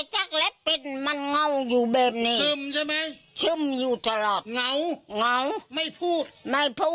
ชุ่มอยู่ตลอดเงาไม่พูดไม่ติงเลยแหละนั่งดูฮันแหละ